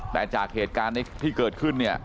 แต่จากเหตุการณ์ที่เกิดขึ้นเนี่ย